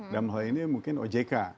dan malah ini mungkin ojk